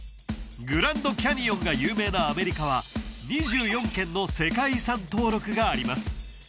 グランドキャニオンが有名なアメリカは２４件の世界遺産登録があります